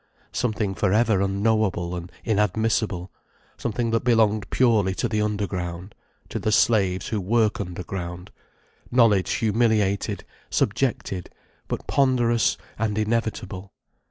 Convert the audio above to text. Something for ever unknowable and inadmissible, something that belonged purely to the underground: to the slaves who work underground: knowledge humiliated, subjected, but ponderous and inevitable.